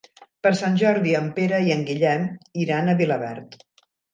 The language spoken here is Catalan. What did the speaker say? Per Sant Jordi en Pere i en Guillem iran a Vilaverd.